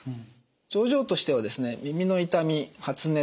症状としては耳の痛み発熱